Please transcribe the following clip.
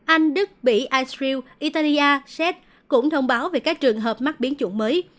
anh đức mỹ israel italia shet cũng thông báo về các trường hợp mắc biến chủng mới